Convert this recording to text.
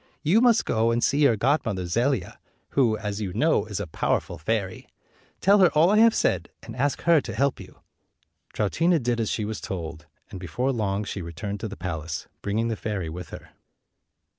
You must go and see your godmother Zelia, who, as you know, is a powerful fairy. Tell her all I have said, and ask her to help you." 215 Troutina did as she was told, and before long she returned to the palace, bringing the fairy with her.